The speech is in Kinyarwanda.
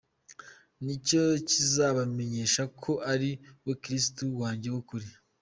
Nicyo kizabamenyesha ko ari we Kristo Yesu nyawe w’ukuri.